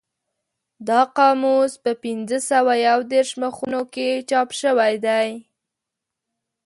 دا قاموس په پینځه سوه یو دېرش مخونو کې چاپ شوی دی.